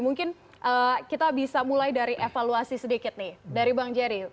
mungkin kita bisa mulai dari evaluasi sedikit nih dari bang jerry